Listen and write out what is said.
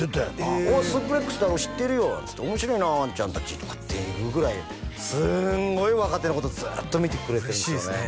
「おいスープレックスだろ知ってるよ」っつって「面白いなあんちゃん達」とかっていうぐらいすごい若手のことずっと見てくれてるんですよね